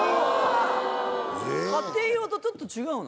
家庭用とちょっと違うの？